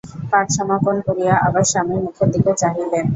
পাঠ সমাপন করিয়া আবার স্বামীর মুখের দিকে চাহিলেন।